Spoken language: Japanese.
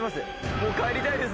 もう帰りたいです